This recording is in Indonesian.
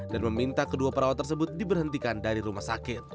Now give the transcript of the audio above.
meminta kedua perawat tersebut diberhentikan dari rumah sakit